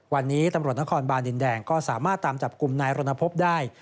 วันนี้ตำรวจนครบานดินแดงก็สามารถตามจับกลุ่มนายรณพบได้